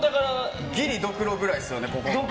ギリ、ドクロくらいですよね。